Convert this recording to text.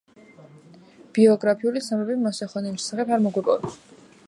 ბიოგრაფიული ცნობები მოსე ხონელის შესახებ არ მოგვეპოვება.